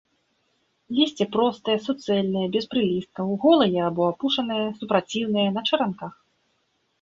Лісце простае, суцэльнае, без прылісткаў, голае або апушанае, супраціўнае, на чаранках.